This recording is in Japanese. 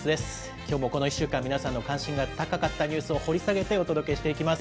きょうもこの１週間、皆さんの関心が高かったニュースを掘り下げて、お届けしていきます。